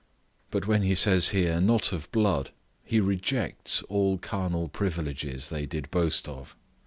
But when he says here, "not of blood," he rejects all carnal privileges they did boast of.